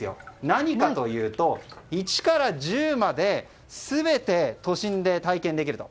何かというと一から十まで、全て都心で体験できると。